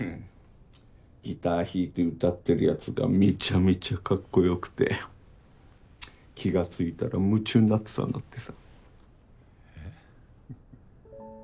ギター弾いて歌ってる奴がめちゃめちゃカッコ良くて気がついたら夢中になってたんだってさ。